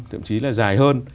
thậm chí là dài hơn